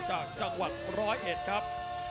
จากจังหวัดร้อยเอ็ดครับ